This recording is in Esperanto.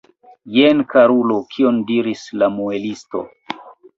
Jen, karulo, kion diris la muelisto!